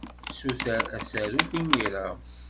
Ssuter asaruf imir-a.